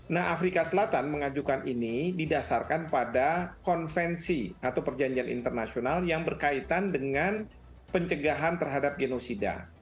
nah afrika selatan mengajukan ini didasarkan pada konvensi atau perjanjian internasional yang berkaitan dengan pencegahan terhadap genosida